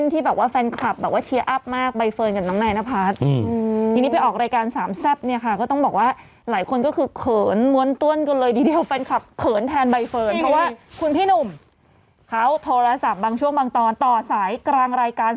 แต่จริงก็ดีนะมันก็ต้องมีสถาณะ